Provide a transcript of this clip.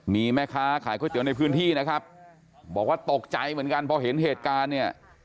มีแม่ค้าขายก๋วยเตี๋ยวในพื้นที่นะครับบอกว่าตกใจเหมือนกันพอเห็นเหตุการณ์เนี่ย